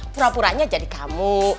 pura puranya jadi kamu